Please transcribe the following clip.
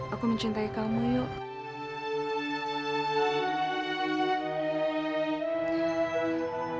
aku mencintai kamu yuk